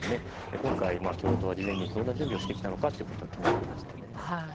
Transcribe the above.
今回、共和党が事前にどんな準備をしてきたのかが気になりましたね。